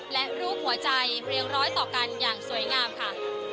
และรูปหัวใจเรียงร้อยต่อกันอย่างสวยงามค่ะ